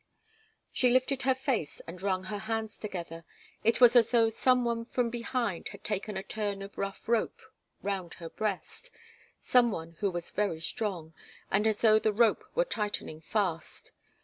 She lifted her face and wrung her hands together. It was as though some one from behind had taken a turn of rough rope round her breast some one who was very strong and as though the rope were tightening fast.